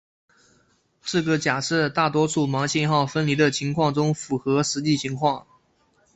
这个假设在大多数盲信号分离的情况中符合实际情况。